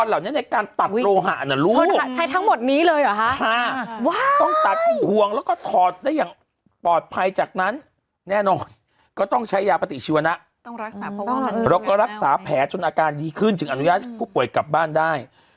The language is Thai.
แล้วก็รักษาแผลจนอาการดีขึ้นจึงอนุญาตให้ผู้ป่วยกลับบ้านได้